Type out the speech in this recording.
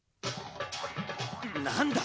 なんだ？